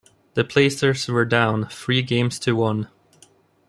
The Blazers were down, three games to one.